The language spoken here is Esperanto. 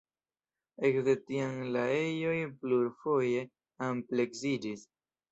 Ekde tiam la ejoj plurfoje ampleksiĝis.